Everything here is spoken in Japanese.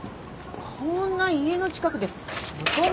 こんな家の近くで外回り？